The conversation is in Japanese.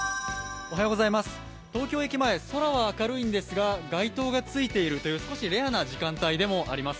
東京駅前、空は明るいんですが街灯がついているという、少しレアな時間帯でもあります。